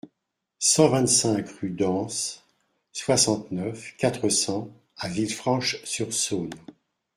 cent vingt-cinq rue d'Anse, soixante-neuf, quatre cents à Villefranche-sur-Saône